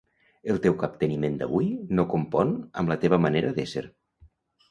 El teu capteniment d'avui no compon amb la teva manera d'ésser.